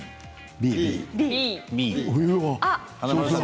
Ｂ。